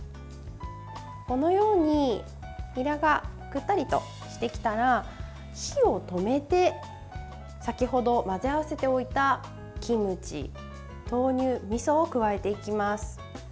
このように、にらがくったりとしてきたら火を止めて先程、混ぜ合わせておいたキムチ豆乳、みそを加えていきます。